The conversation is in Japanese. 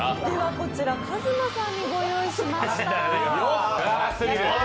こちらＫＡＺＭＡさんにご用意しました。